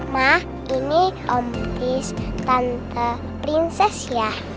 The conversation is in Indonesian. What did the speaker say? ma ini om tis tante prinses ya